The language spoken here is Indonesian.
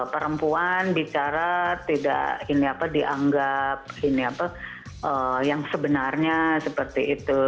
perempuan bicara tidak dianggap yang sebenarnya seperti itu